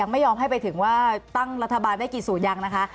ไม่ยอมให้ไปถึงว่าตั้งรัฐบาลได้กี่สูตรยังนะคะ